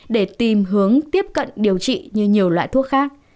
để tìm hướng tiếp cận điều trị như nhiều loại thuốc khác